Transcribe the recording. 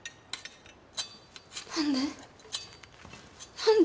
何で？